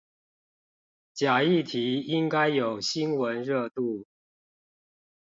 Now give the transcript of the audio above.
假議題應該有新聞熱度